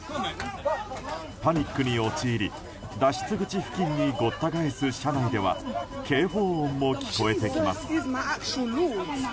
パニックに陥り脱出口付近にごった返す車内には警報音も聞こえてきます。